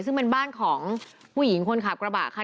ซึ่งเป็นบ้านของผู้หญิงคนขับกระบะค่ะ